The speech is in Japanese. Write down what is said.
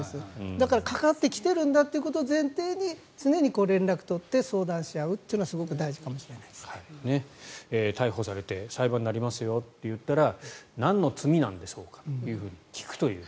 だから、かかってきてるんだということを前提に常に連絡を取って相談し合うというのが逮捕されて裁判になりますよと言ったらなんの罪なんでしょうかと聞くという。